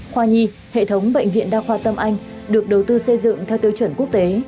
khoa nhi hệ thống bệnh viện đa khoa tâm anh được đầu tư xây dựng theo tiêu chuẩn quốc tế